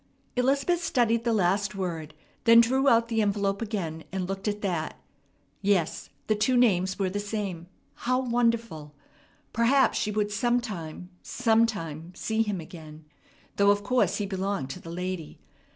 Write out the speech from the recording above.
Elizabeth studied the last word, then drew out the envelope again, and looked at that. Yes, the two names were the same. How wonderful! Perhaps she would sometime, sometime, see him again, though of course he belonged to the lady.